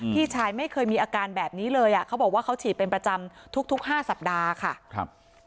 พี่ชายไม่เคยมีอาการแบบนี้เลยอ่ะเขาบอกว่าเขาฉีดเป็นประจำทุก๕สัปดาห์ค่ะครับ